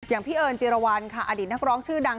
พี่เอิญจิรวรรณค่ะอดีตนักร้องชื่อดัง